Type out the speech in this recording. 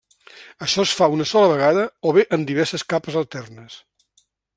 Això es fa una sola vegada o bé en diverses capes alternes.